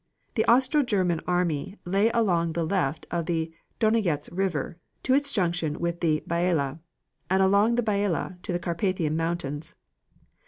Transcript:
The Austro German army lay along the left of the Donajetz River to its junction with the Biala, and along the Biala to the Carpathian Mountains.